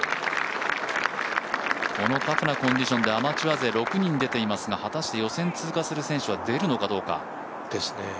このタフなコンディションでアマチュア勢６人出ていますが、果たして予選通過する選手は出るのかどうか。